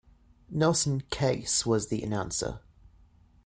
Nelson Case was the announcer.